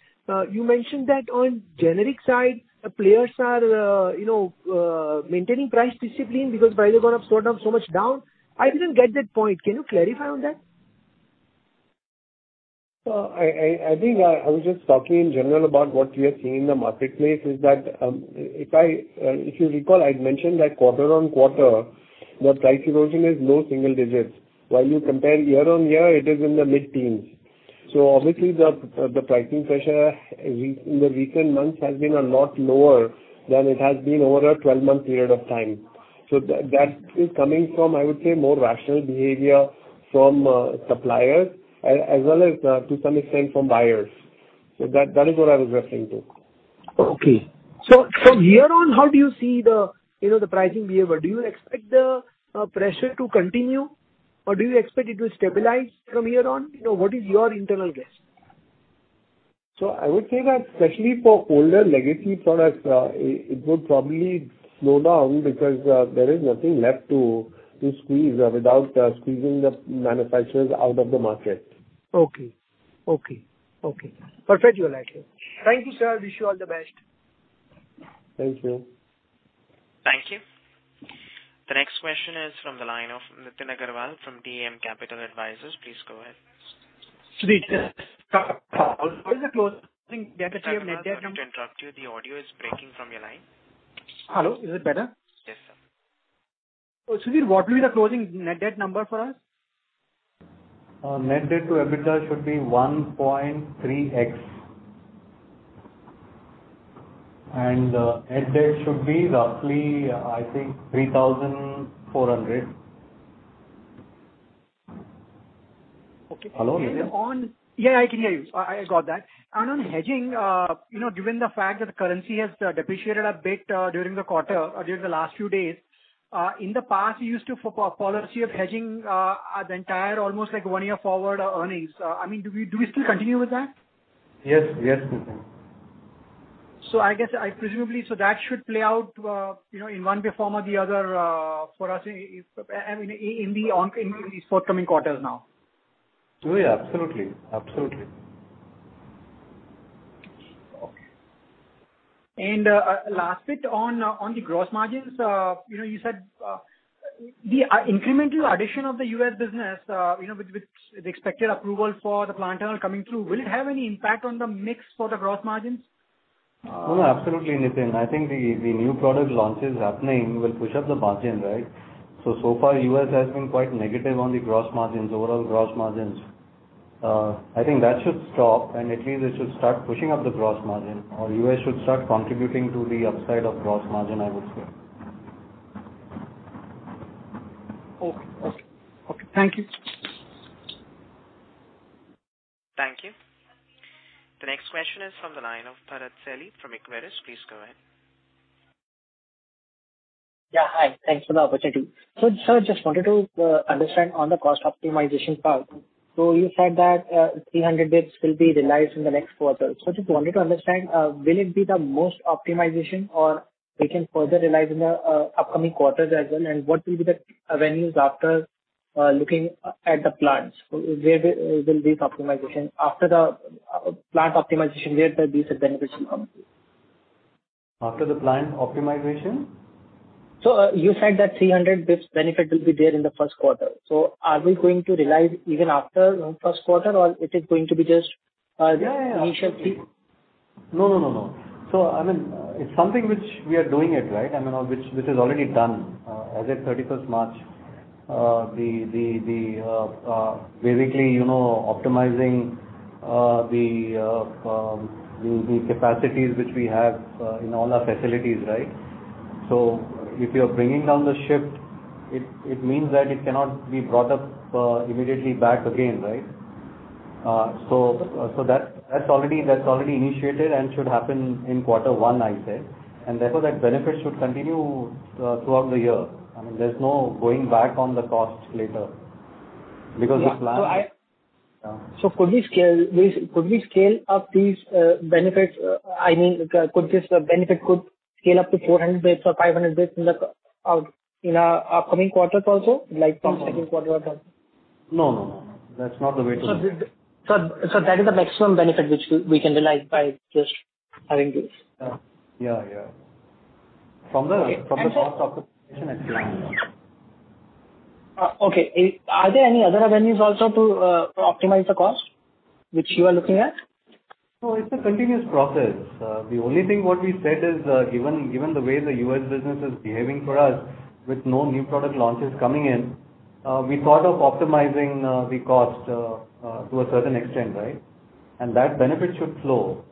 you mentioned that on generic side, players are, you know, maintaining price discipline because prices have gone down so much. I didn't get that point. Can you clarify on that? I think I was just talking in general about what we are seeing in the marketplace is that, if you recall, I'd mentioned that quarter-over-quarter, the price erosion is low single digits. While you compare year-over-year, it is in the mid-teens. Obviously the pricing pressure in the recent months has been a lot lower than it has been over a twelve-month period of time. That is coming from, I would say, more rational behavior from suppliers as well as, to some extent from buyers. That is what I was referring to. Okay. From here on, how do you see the, you know, the pricing behavior? Do you expect the pressure to continue, or do you expect it to stabilize from here on? You know, what is your internal guess? I would say that especially for older legacy products, it would probably slow down because there is nothing left to squeeze without squeezing the manufacturers out of the market. Okay. Perfect. You are right, sir. Thank you, sir. Wish you all the best. Thank you. Thank you. The next question is from the line of Nitin Agarwal from DAM Capital Advisors. Please go ahead. Sudhir, what is the, I think, data sheet net debt number? Sorry to interrupt you. The audio is breaking from your line. Hello. Is it better? Yes, sir. Sudhir, what will be the closing net debt number for us? Net debt to EBITDA should be 1.3x. Net debt should be roughly, I think, 3,400. Okay. Hello? Yeah, I can hear you. I got that. On hedging, you know, given the fact that the currency has depreciated a bit, during the quarter or during the last few days, in the past you used to follow policy of hedging, the entire almost like one year forward, earnings. I mean, do we still continue with that? Yes. Yes, Nitin. That should play out, you know, in one way or another, for us, in these forthcoming quarters now. Oh, yeah. Absolutely. Okay. Last bit on the gross margins. You know, you said the incremental addition of the U.S. business, you know, with the expected approval for the plant trial coming through, will it have any impact on the mix for the gross margins? No, no. Absolutely, Nitin. I think the new product launches happening will push up the margin, right? So far U.S. has been quite negative on the gross margins, overall gross margins. I think that should stop, and at least it should start pushing up the gross margin or U.S. should start contributing to the upside of gross margin, I would say. Okay. Thank you. Thank you. The next question is from the line of Bharat Celly from Equirus. Please go ahead. Yeah, hi. Thanks for the opportunity. Sir, just wanted to understand on the cost optimization part. You said that 300 basis points will be realized in the next quarter. Just wanted to understand, will it be the most optimization or we can further realize in the upcoming quarters as well? What will be the avenues after looking at the plants? Where will be the optimization? After the plant optimization, where will these benefits come? After the plant optimization? you said that 300 basis points benefit will be there in the first quarter. Are we going to realize even after first quarter, or is it going to be just Yeah, yeah. Initial peak? No. I mean, it's something which we are doing it, right? I mean, which is already done as of March 31. Basically, you know, optimizing the capacities which we have in all our facilities, right? If you're bringing down the shift, it means that it cannot be brought up immediately back again, right? So that that's already initiated and should happen in quarter one, I said. Therefore, that benefit should continue throughout the year. I mean, there's no going back on the costs later. Because the plan- So I- Yeah. Could we scale up these benefits? I mean, could this benefit scale up to 400 basis points or 500 basis points in the outlook in our upcoming quarters also, like from second quarter onwards? No, no, no. That's not the way to look. that is the maximum benefit which we can realize by just having this. Yeah. From the cost optimization I think. Okay. Are there any other avenues also to optimize the cost which you are looking at? No, it's a continuous process. The only thing what we said is, given the way the U.S. business is behaving for us with no new product launches coming in, we thought of optimizing the cost to a certain extent, right? That benefit should flow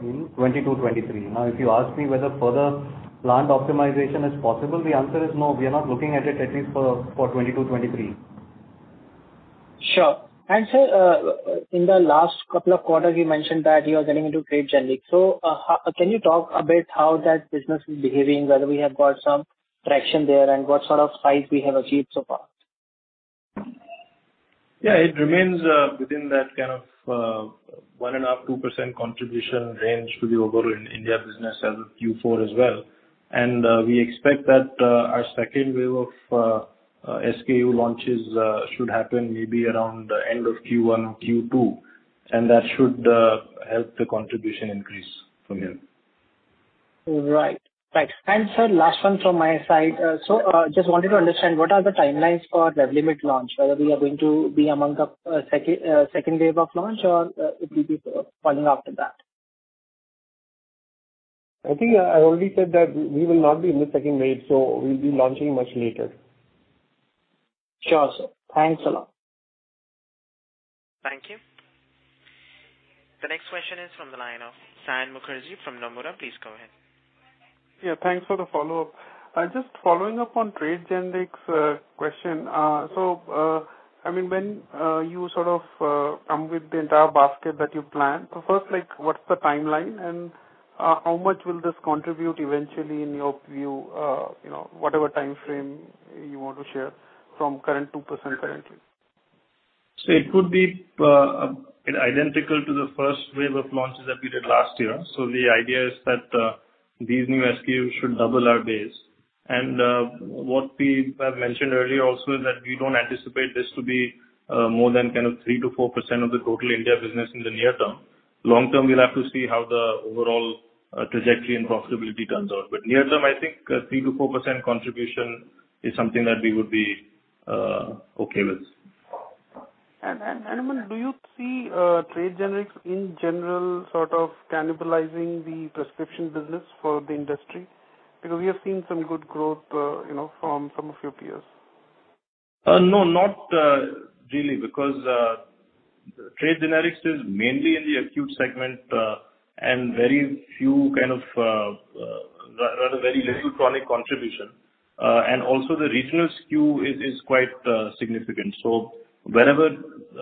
in 2022, 2023. Now if you ask me whether further plant optimization is possible, the answer is no. We are not looking at it at least for 2022, 2023. Sure. Sir, in the last couple of quarters you mentioned that you are getting into trade generic. How can you talk a bit how that business is behaving, whether we have got some traction there, and what sort of spike we have achieved so far? Yeah. It remains within that kind of 1.5-2% contribution range to the overall India business as of Q4 as well. We expect that our second wave of SKU launches should happen maybe around the end of Q1 or Q2, and that should help the contribution increase from here. Right. Sir, last one from my side. Just wanted to understand what are the timelines for Revlimid launch, whether we are going to be among the second wave of launch or it will be following after that. I think I already said that we will not be in the second wave, so we'll be launching much later. Sure, sir. Thanks a lot. Thank you. The next question is from the line of Sayan Mukherjee from Nomura. Please go ahead. Yeah, thanks for the follow-up. I'm just following up on trade generics question. I mean, when you sort of come with the entire basket that you planned, first like what's the timeline and, how much will this contribute eventually in your view, you know, whatever timeframe you want to share from current 2% currently? It could be identical to the first wave of launches that we did last year. The idea is that these new SKUs should double our base. What we have mentioned earlier also is that we don't anticipate this to be more than kind of 3%–4% of the total India business in the near term. Long term, we'll have to see how the overall trajectory and profitability turns out. Near term, I think 3%–4% contribution is something that we would be okay with. Aman, do you see, trade generics in general sort of cannibalizing the prescription business for the industry? Because we have seen some good growth, you know, from some of your peers. No, not really because trade generics is mainly in the acute segment, and rather very little chronic contribution. Also the regional skew is quite significant. Wherever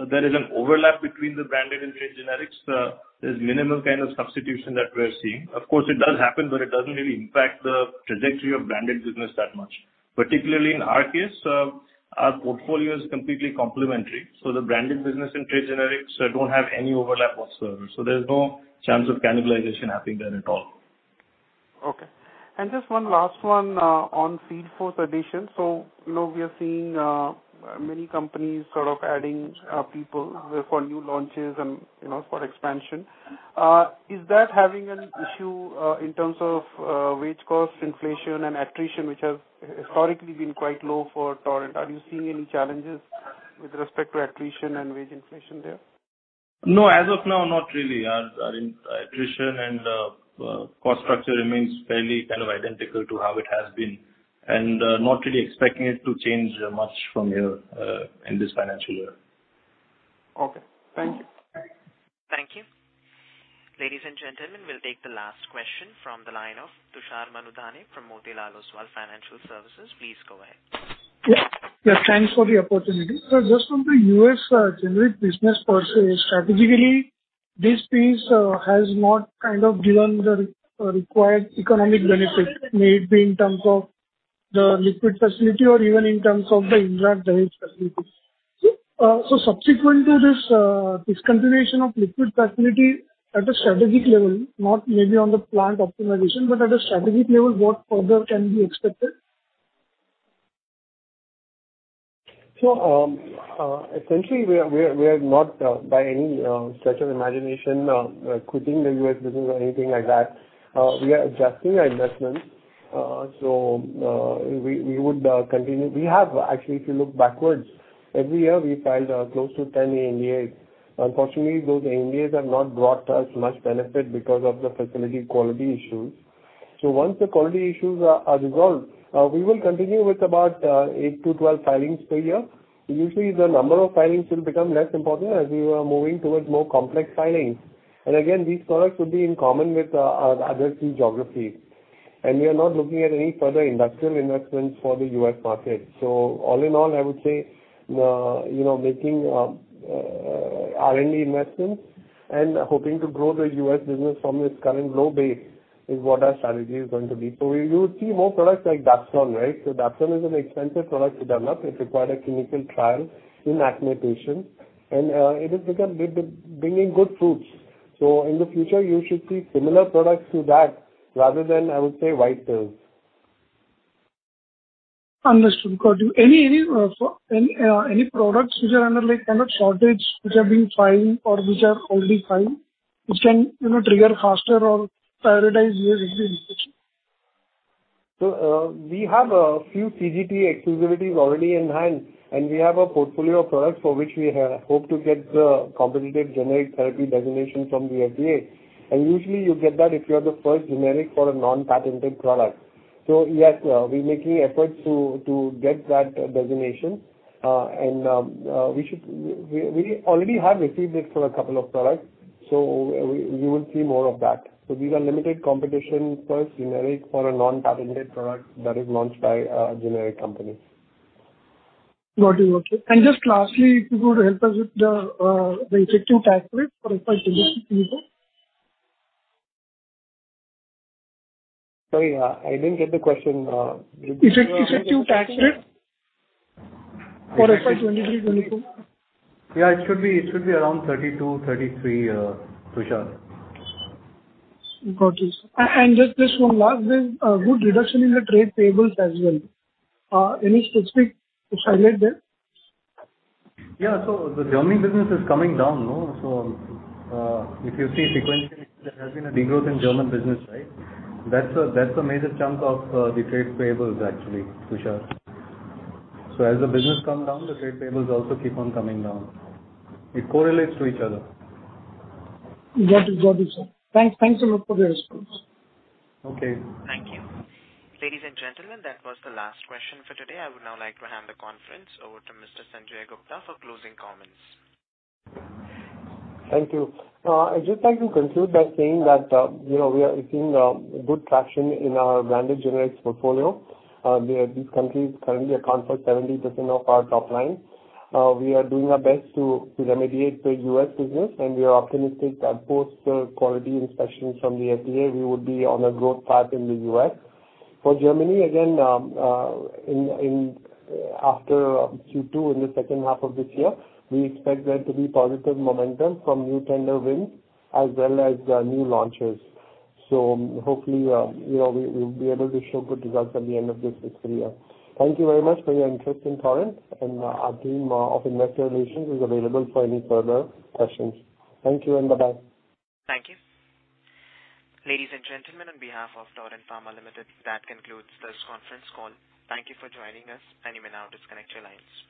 there is an overlap between the branded and trade generics, there's minimal kind of substitution that we're seeing. Of course, it does happen, but it doesn't really impact the trajectory of branded business that much. Particularly in our case, our portfolio is completely complementary, so the branded business and trade generics don't have any overlap whatsoever, so there's no chance of cannibalization happening there at all. Okay. Just one last one, on field force addition. Now we are seeing many companies sort of adding people for new launches and, you know, for expansion. Is that having an issue in terms of wage cost inflation and attrition, which has historically been quite low for Torrent? Are you seeing any challenges with respect to attrition and wage inflation there? No, as of now, not really. Our attrition and cost structure remains fairly kind of identical to how it has been. Not really expecting it to change much from here in this financial year. Okay. Thank you. Thank you. Ladies and gentlemen, we'll take the last question from the line of Tushar Manudhane from Motilal Oswal Financial Services. Please go ahead. Yeah. Yeah, thanks for the opportunity. Just from the US generic business per se, strategically, this piece has not kind of given the required economic benefit, maybe in terms of the liquid facility or even in terms of the injectable generic facility. Subsequent to this, discontinuation of liquid facility at a strategic level, not maybe on the plant optimization, but at a strategic level, what further can be expected? Essentially, we are not, by any stretch of imagination, quitting the U.S. business or anything like that. We are adjusting our investments. We would continue. Actually, if you look backwards, every year we filed close to 10 ANDAs. Unfortunately, those ANDAs have not brought us much benefit because of the facility quality issues. Once the quality issues are resolved, we will continue with about 8-12 filings per year. Usually, the number of filings will become less important as we are moving towards more complex filings. Again, these products would be in common with our other key geographies. We are not looking at any further industrial investments for the U.S. market. All in all, I would say, you know, making R&D investments and hoping to grow the U.S. business from its current low base is what our strategy is going to be. You would see more products like Dapsone, right? Dapsone is an expensive product to develop. It required a clinical trial in acne patients, and it has become big, bringing good fruits. In the future, you should see similar products to that rather than, I would say, white pills. Understood. Got you. Any products which are under, like, kind of shortage, which have been filed or which are already filed, which can, you know, trigger faster or prioritize your? We have a few CGT exclusivities already in hand, and we have a portfolio of products for which we hope to get the competitive generic therapy designation from the FDA. Usually you get that if you are the first generic for a non-patented product. Yes, we're making efforts to get that designation. We already have received it for a couple of products, so we will see more of that. These are limited competition first generic for a non-patented product that is launched by a generic company. Got you. Okay. Just lastly, if you could help us with the effective tax rate for FY 2023, 2024. Sorry, I didn't get the question. Effective tax rate for FY 2023-2024. Yeah, it should be around 32, 33, Tushar. Got you. Just this one last bit. Good reduction in the trade payables as well. Any specific to highlight there? Yeah. The Germany business is coming down, no? If you see sequentially, there has been a degrowth in German business, right? That's a major chunk of the trade payables actually, Tushar. As the business come down, the trade payables also keep on coming down. It correlates to each other. Got you, sir. Thanks a lot for the response. Okay. Thank you. Ladies and gentlemen, that was the last question for today. I would now like to hand the conference over to Mr. Sanjay Gupta for closing comments. Thank you. I'd just like to conclude by saying that, you know, we are seeing good traction in our branded generics portfolio. These countries currently account for 70% of our top line. We are doing our best to remediate the U.S. business, and we are optimistic that post the quality inspections from the FDA, we would be on a growth path in the U.S. For Germany, again, after Q2, in the second half of this year, we expect there to be positive momentum from new tender wins as well as new launches. Hopefully, you know, we'll be able to show good results at the end of this fiscal year. Thank you very much for your interest in Torrent, and our team of investor relations is available for any further questions. Thank you and bye-bye. Thank you. Ladies and gentlemen, on behalf of Torrent Pharma Limited, that concludes this conference call. Thank you for joining us and you may now disconnect your lines.